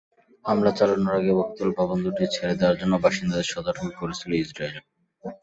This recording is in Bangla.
হামলা চালানোর আগে বহুতল ভবন দুটি ছেড়ে দেওয়ার জন্য বাসিন্দাদের সতর্ক করেছিল ইসরায়েল।